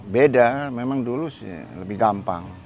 beda memang dulu lebih gampang